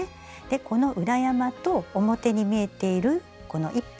この裏山と表に見えているこの１本。